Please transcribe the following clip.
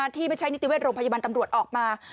ที่ไม่ใช่นิติเวชโรงพยาบาลตำรวจออกมา